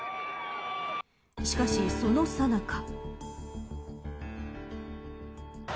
しかし、そのさなか。